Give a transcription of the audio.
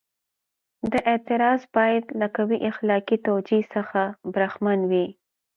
دا اعتراض باید له قوي اخلاقي توجیه څخه برخمن وي.